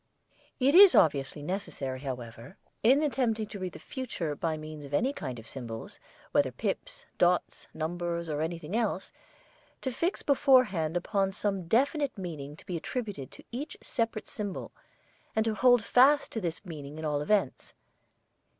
It is obviously necessary, however, in attempting to read the future by means of any kind of symbols, whether pips, dots, numbers or anything else, to fix beforehand upon some definite meaning to be attributed to each separate symbol and to hold fast to this meaning in all events.